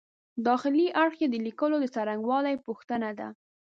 داخلي اړخ یې د لیکلو د څرنګوالي پوښتنه ده.